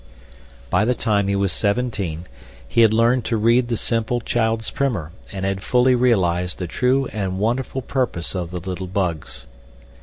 By the time he was seventeen he had learned to read the simple, child's primer and had fully realized the true and wonderful purpose of the little bugs.